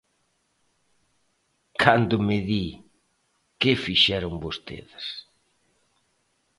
Cando me di: ¿Que fixeron vostedes.